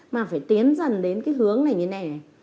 mà phải tiến dần đến cái hướng này như thế này này